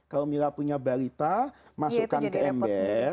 kalau mila punya balita masukkan ke ember